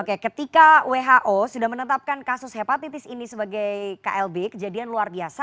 oke ketika who sudah menetapkan kasus hepatitis ini sebagai klb kejadian luar biasa